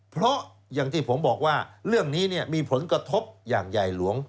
เพราะอย่างที่ผมบอกว่าเรื่องนี้มีผลกระทบอย่างใหญ่หลวง